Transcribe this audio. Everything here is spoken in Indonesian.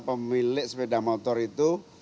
pemilik sepeda motor itu